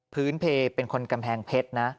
เพลเป็นคนกำแพงเพชรนะ